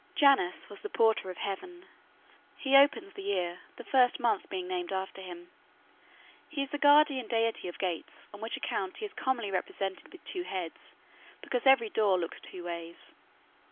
Janus was the porter of heaven. He opens the year, the first month being named after him. He is the guardian deity of gates, on which account he is commonly represented with two heads, because every door looks two ways.